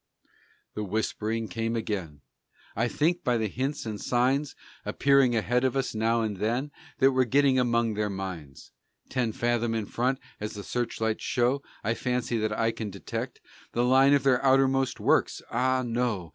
The whispering came again: "I think by the hints and signs Appearing ahead of us now and then That we're getting among their mines. Ten fathom in front, as the search lights show, I fancy that I can detect The line of their outermost works Ah, no!